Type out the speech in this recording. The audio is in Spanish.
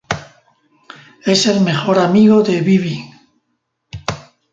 Es el mejor amigo de Bibi.